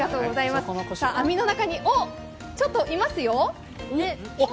網の中に、おっ、ちょっといますよ。